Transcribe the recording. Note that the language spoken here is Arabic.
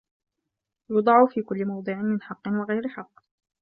يُوضَعَ فِي كُلِّ مَوْضِعٍ مِنْ حَقٍّ وَغَيْرِ حَقٍّ